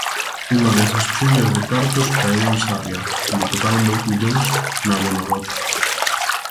Unha desas chuvias de cartos caeu en Sarria, onde tocaron dous millóns na Bonoloto.